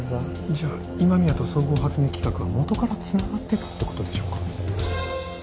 じゃあ今宮と総合発明企画は元からつながってたってことでしょうか？